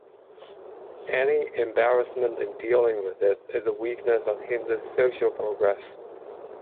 Any embarrassment in dealing with it is a weakness that hinders social progress.